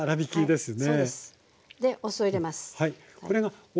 でお酢を入れます。